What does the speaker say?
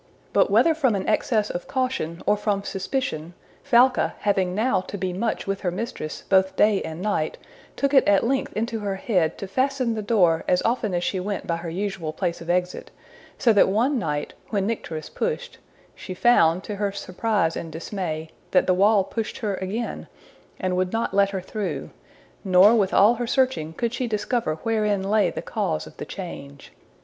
But whether from an excess of caution or from suspicion, Falca, having now to be much with her mistress both day and night, took it at length into her head to fasten the door as often as she went by her usual place of exit, so that one night, when Nycteris pushed, she found, to her surprise and dismay, that the wall pushed her again, and would not let her through; nor with all her searching could she discover wherein lay the cause of the change.